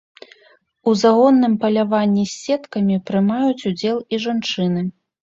У загонным паляванні з сеткамі прымаюць удзел і жанчыны.